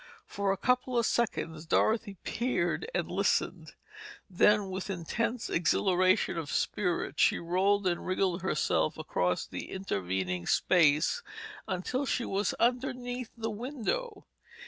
For a couple of seconds, Dorothy peered and listened. Then with intense exhilaration of spirit, she rolled and wriggled herself across the intervening space until she was underneath the window.